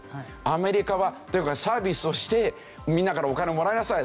アメリカはというかサービスをしてみんなからお金をもらいなさい。